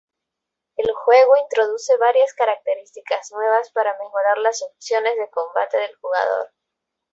El juego introduce varias características nuevas para mejorar las opciones de combate del jugador.